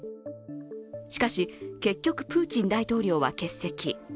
しかし、結局、プーチン大統領は欠席。